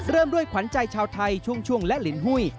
เริ่มด้วยขวัญใจชาวไทยช่วงและลินหุ้ย